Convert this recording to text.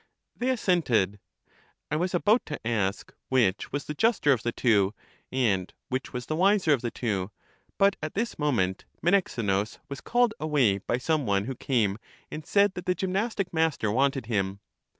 They assented. I was about to ask which was the juster of the two, and which was the wiser of the two; but at this moment Menexenus was called away by some one who came and said that the gymnastic master wanted him.